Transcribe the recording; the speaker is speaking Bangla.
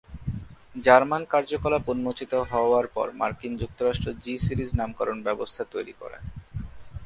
জার্মান কার্যকলাপ উন্মোচিত হওয়ার পর মার্কিন যুক্তরাষ্ট্র জি-সিরিজ নামকরণ ব্যবস্থা তৈরি করে।